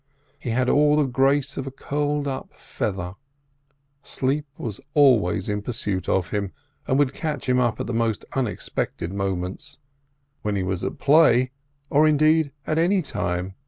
He had all the grace of a curled up feather. Sleep was always in pursuit of him, and would catch him up at the most unexpected moments—when he was at play, or indeed at any time.